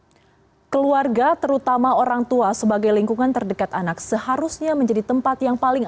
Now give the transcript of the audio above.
hai keluarga terutama orangtua sebagai lingkungan terdekat anak seharusnya menjadi tempat yang paling